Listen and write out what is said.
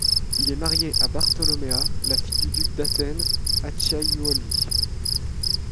Il est marié à Bartolommea, la fille du duc d'Athènes Acciaiuoli.